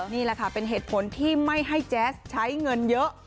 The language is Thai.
นี่แหละค่ะเป็นเหตุผลที่ไม่ให้แจ๊สใช้เงินเยอะ